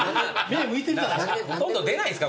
ほとんど出ないんすか？